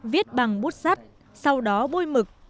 viết bằng bút sắt sau đó bôi mực